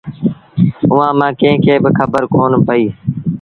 اُئآݩٚ مآݩٚ ڪݩهݩ کي با کبر ڪون پئيٚ